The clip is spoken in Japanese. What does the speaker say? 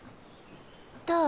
どう？